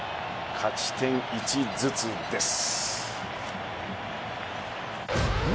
勝ち点１ずつです。